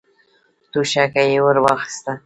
توشکه يې ور واخيسته.